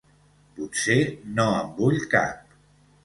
Potser no en vull cap.